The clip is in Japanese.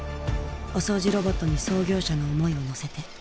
お掃除ロボットに創業者の思いを乗せて。